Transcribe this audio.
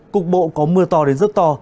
cục bộ có mưa to đến rất to